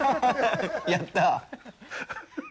やったあ。